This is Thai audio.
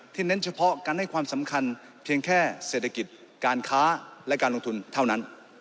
เน้นเฉพาะการให้ความสำคัญเพียงแค่เศรษฐกิจการค้าและการลงทุนเท่านั้น